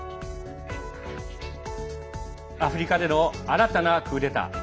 アフリカでの新たなクーデター。